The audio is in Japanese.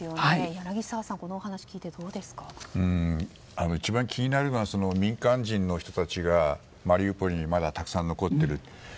柳澤さん、この話を聞いて一番気になるのは民間人の人たちがマリウポリにまだたくさん残っていると。